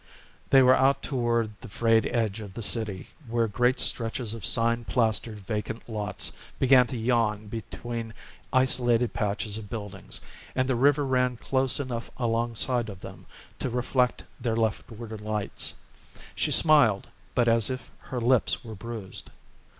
They were out toward the frayed edge of the city, where great stretches of sign plastered vacant lots began to yawn between isolated patches of buildings and the river ran close enough alongside of them to reflect their leftward lights. She smiled, but as if her lips were bruised.